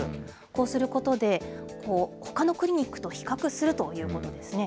こうすることで、ほかのクリニックと比較するということですね。